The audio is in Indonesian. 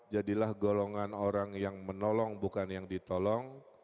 jadilah golongan orang yang menolong bukan yang ditolong